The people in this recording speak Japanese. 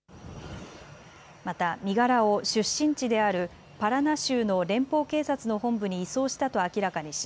また身柄を出身地であるパラナ州の連邦警察の本部に移送したと明らかにし